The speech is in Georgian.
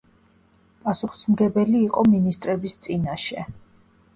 პასუხისმგებელი იყო მინისტრების წინაშე.